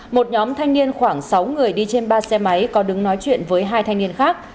một nhóm thanh niên khoảng sáu người đi trên ba xe máy có đứng nói chuyện với hai thanh niên khác